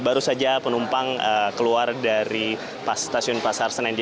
baru saja penumpang keluar dari stasiun pasar senen